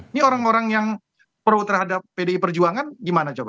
ini orang orang yang pro terhadap pdi perjuangan gimana coba